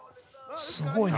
すごいな。